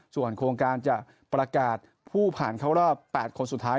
ส่วนโครงการจะประกาศผู้ผ่านเข้ารอบ๘คนสุดท้าย